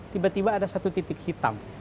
tiba tiba ada satu titik hitam